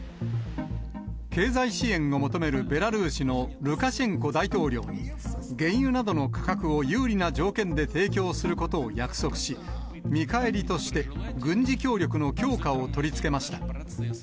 経済支援を求めるベラルーシのルカシェンコ大統領に、原油などの価格を有利な条件で提供することを約束し、見返りとして、軍事協力の強化を取り付けました。